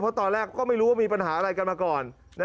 เพราะตอนแรกก็ไม่รู้ว่ามีปัญหาอะไรกันมาก่อน